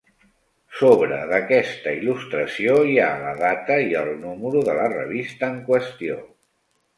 Sobre d'aquesta il·lustració hi ha la data i el número de la revista en qüestió.